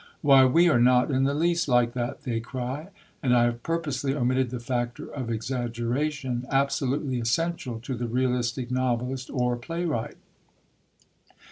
"Why, we are not in the least like that!" they cry. And I have purposely omitted the factor of exaggeration, absolutely essential to the realistic novelist or playwright.